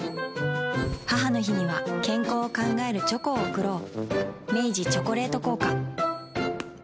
母の日には健康を考えるチョコを贈ろう明治「チョコレート効果」